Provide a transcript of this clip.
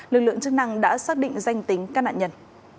lực lượng chức năng đã xác định danh tính các nạn nhân